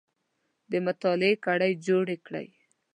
د مطالعې کړۍ جوړې کړئ